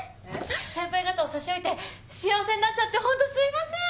先輩方を差し置いて幸せになっちゃって本当すいません！